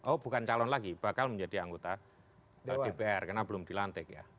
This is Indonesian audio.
oh bukan calon lagi bakal menjadi anggota dpr karena belum dilantik ya